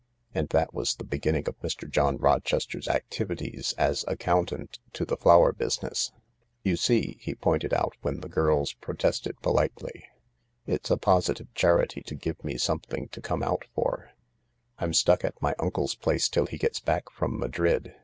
And that was the beginning of Mr. John Rochester's activities as accountant to the flower business. "You see," he pointed out when the girls protested politely, "it's a positive charity to give me something to THE LARK 95 come out for. I'm stuck at my uncle's place till he gets back from Madrid.